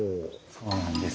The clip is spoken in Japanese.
そうなんです。